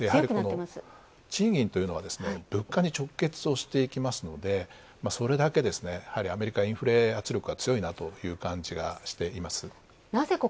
賃金というのは、物価に直結をしていきますので、それだけアメリカ、インフレ圧力が強いなという感じがしていますなぜ、